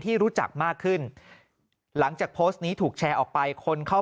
ที่รู้จักมากขึ้นหลังจากโพสต์นี้ถูกแชร์ออกไปคนเข้า